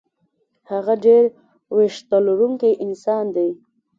هغه ډېر وېښته لرونکی انسان دی.